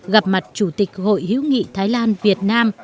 gặp mặt chủ tịch hội hữu nghị thái lan việt nam